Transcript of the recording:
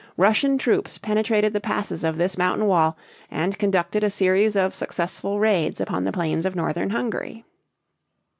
Russian troops penetrated the passes of this mountain wall and conducted a series of successful raids upon the plains of northern Hungary.